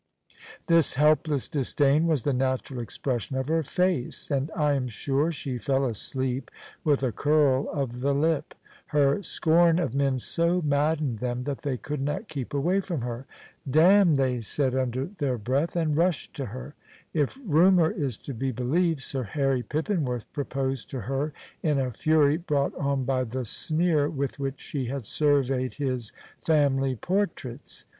This helpless disdain was the natural expression of her face, and I am sure she fell asleep with a curl of the lip. Her scorn of men so maddened them that they could not keep away from her. "Damn!" they said under their breath, and rushed to her. If rumour is to be believed, Sir Harry Pippinworth proposed to her in a fury brought on by the sneer with which she had surveyed his family portraits.